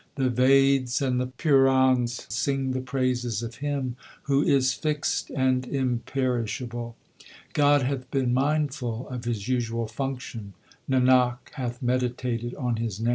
The Veds and the Purans sing the praises of Him who is fixed and imperishable. God hath been mindful of His usual function ; Nanak hath meditated on His name.